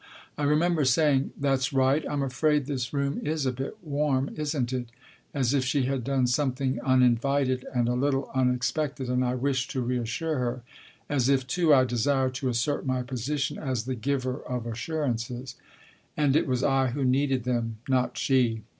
I remember saying, " That's right. I'm afraid this room is a bit warm, isn't it ?" as if she had done some thing uninvited and a little unexpected, and I wished to reassure her. As if, too, I desired to assert my position as the giver of assurances. (And it was I who needed them, not she.)